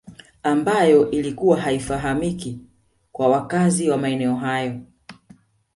Ambayo ilikuwa haifahamiki kwa wakazi wa maeneo hayo